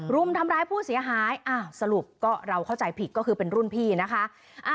รุมทำร้ายผู้เสียหายสรุปก็เราเข้าใจผิดก็คือเป็นรุ่นพี่นะคะ